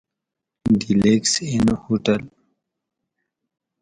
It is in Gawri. ڈیلکس اِن ہوٹل